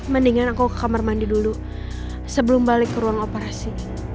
mendingan aku ke kamar mandi dulu sebelum balik ke ruang operasi